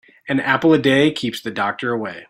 An apple a day keeps the doctor away.